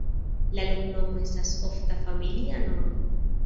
La loknomo estas ofta familia nomo.